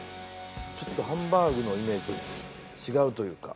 ちょっとハンバーグのイメージと違うというか。